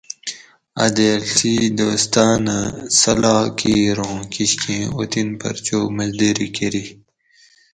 اۤ دیر ڷی دوستانہ صلاح کیر اوں کشکیں اوطن پھر چو مزدیری کۤری